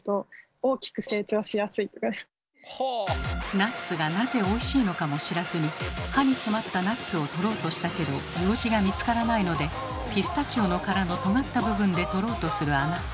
ナッツがなぜおいしいのかも知らずに歯に詰まったナッツを取ろうとしたけどようじが見つからないのでピスタチオの殻のとがった部分で取ろうとするあなた。